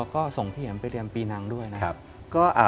ขออนุญาตเรียกพี่เหนียมนะครับ